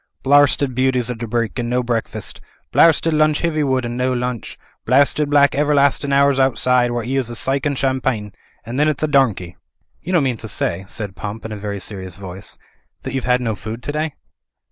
"'Blarsted beauties o' dibrike and no breakfast. Blarsted lunch Hiv)rwood and no lunch.. Blarsted black everlastin' hours artside while 'e 'as 'is cike an' champine. And then it's a domkey." ''You don't mean to say," said Pump in a very serious voice, "that you've had no food to day?"